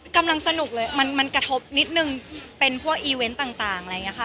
กำลังสนุกเลยมันมันกระทบนิดหนึ่งเป็นพวกต่างต่างอะไรอย่างเงี้ยค่ะ